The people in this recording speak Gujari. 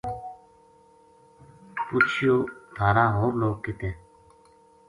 پُچھیو تھار ا ہور لوک کِت ہے۔